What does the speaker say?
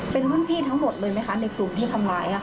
เป็นรุ่นพี่ทั้งหมดเลยไหมคะในกลุ่มที่ทำร้าย